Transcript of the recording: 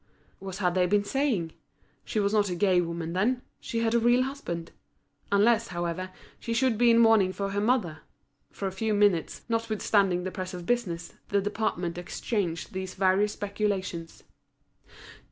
What had they been saying? She was not a gay woman then; she had a real husband. Unless, however, she should be in mourning for her mother. For a few minutes, notwithstanding the press of business, the department exchanged these various speculations.